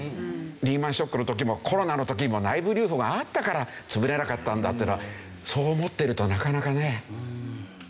リーマンショックの時もコロナの時も内部留保があったから潰れなかったんだっていうのはそう思ってるとなかなかね。